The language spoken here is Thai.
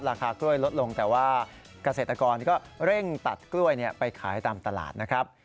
ราคากล้วยลดลงแต่ว่าเกษตรกรก็เร่งตัดกล้วยไปขายตามตลาดนะครับ